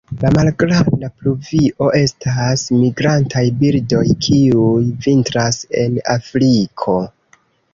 La Malgranda pluvio estas migrantaj birdoj kiuj vintras en Afriko.